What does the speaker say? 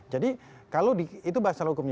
jadi kalau itu bahasa hukumnya